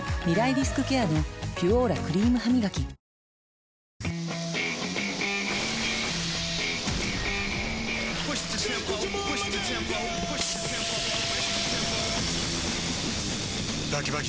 リスクケアの「ピュオーラ」クリームハミガキプシューッ！